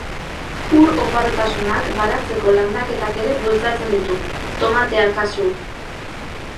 Ur oparotasunak baratzeko landaketak ere bultzatzen ditu, tomatea kasu.